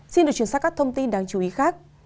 xin được truyền sát các thông tin đáng chú ý khác